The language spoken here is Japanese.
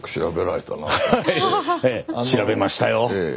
調べましたよ。